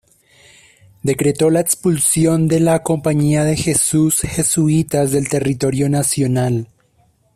Decretó la expulsión de la Compañía de Jesús jesuitas del territorio nacional.